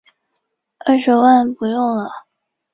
二十几万不用了